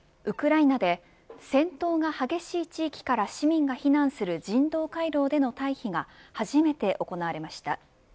ウクライナで戦闘が激しい地域から市民が避難する人道回廊での退避が初めて行われました。